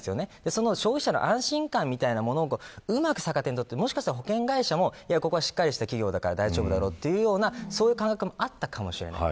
その消費者の安心感みたいなものをうまく逆手にとってもしかしたら保険会社もしっかりとした企業だから大丈夫だろうというような感覚もあったかもしれない。